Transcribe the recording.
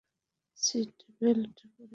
Seat belt পড়ে নে।